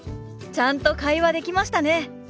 ちゃんと会話できましたね！